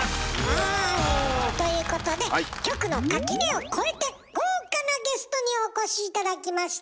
ワオ。ということで局の垣根を越えて豪華なゲストにお越し頂きました。